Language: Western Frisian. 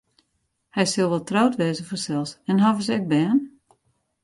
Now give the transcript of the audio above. Hy sil wol troud wêze fansels en hawwe se ek bern?